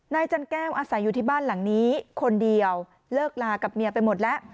จันแก้วอาศัยอยู่ที่บ้านหลังนี้คนเดียวเลิกลากับเมียไปหมดแล้ว